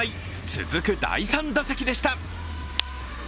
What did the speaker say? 続く第３打席でした。